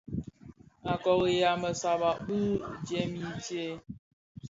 A kôriha më sàbà bi jèm i tsee.